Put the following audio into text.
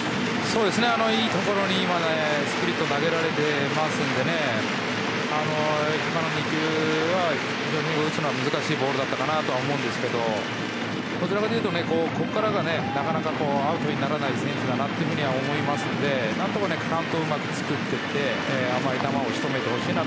いいところにスプリットを投げられているので今の２球は、非常に打つのは難しいボールだったかなと思いますけどどちらかというと、ここからがなかなかアウトにならない選手だなと思いますので何とかカウントをうまく作っていって甘い球を仕留めてほしいですね。